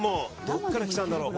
どこから来たんだろう。